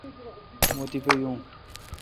مہ تیپہ یون۔